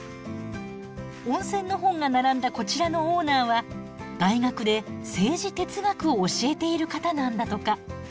温泉の本が並んだこちらのオーナーは大学で政治哲学を教えている方なんだとか。